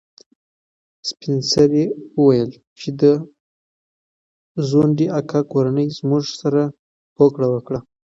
سپین سرې وویل چې د ځونډي اکا کورنۍ زموږ سره هوکړه وکړه.